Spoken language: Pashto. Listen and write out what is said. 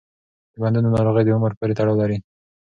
د بندونو ناروغي د عمر پورې تړاو لري.